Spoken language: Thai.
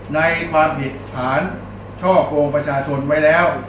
ในความผิดฐานช่อกงประชาชนไว้แล้ว